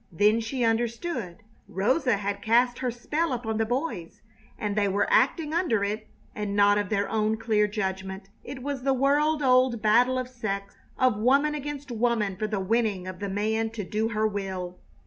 Then she understood. Rosa had cast her spell upon the boys, and they were acting under it and not of their own clear judgment. It was the world old battle of sex, of woman against woman for the winning of the man to do her will.